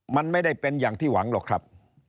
มันไม่ได้เป็นอย่างที่หวังหรอกครับ